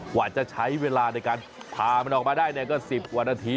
กว่าจะใช้เวลาในการผ่ามันออกมาได้ก็๑๐กว่านาที